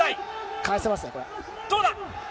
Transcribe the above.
返せますね、これ。